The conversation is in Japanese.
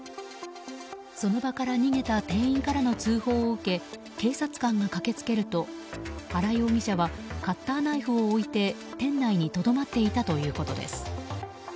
その場から逃げた店員からの通報を受け警察官が駆けつけると原容疑者はカッターナイフを置いて店内にとどまっていたということです。